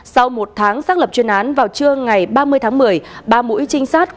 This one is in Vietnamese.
sau một tháng xác lập chuyên án vào trưa ngày ba mươi tháng một mươi